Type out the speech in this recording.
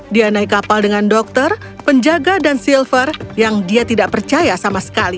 dia naik kapal dengan dokter penjaga dan silver yang dia tidak percaya sama sekali